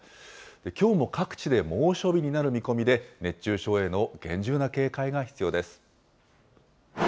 きょうも各地で猛暑日になる見込みで、熱中症への厳重な警戒が必要です。